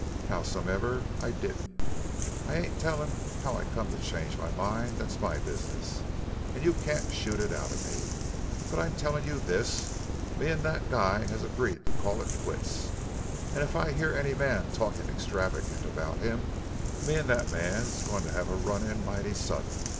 "Howsomever, I didn't. I ain't tellin' how I come to change my mind that's my business, an' you can't shoot it out of me. But I'm tellin' you this: me an' that guy has agreed to call it quits, an' if I hear any man talkin' extravagant about him, me an' that man's goin' to have a run in mighty sudden!"